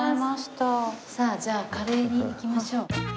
さあじゃあカレーに行きましょう。